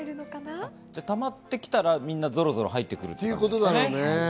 たまって来たら、みんなゾロゾロ入ってくるということですね。